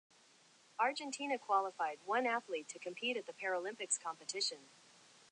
Argentina qualified one athlete to compete at the Paralympics competition.